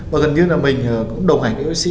và gần như là mình cũng đồng hành với yêu ích sĩ